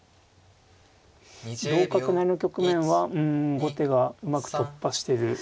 同角成の局面はうん後手がうまく突破してる気がしますね。